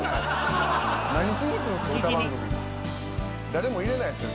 誰も入れないですよ